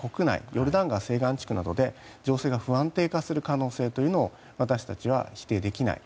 ヨルダン川西岸地区などで情勢が不安定化する可能性というのを私たちは否定できない。